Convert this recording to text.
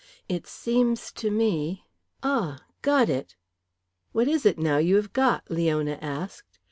It seems to me ah! got it!" "What is it now you have got?" Leona asked.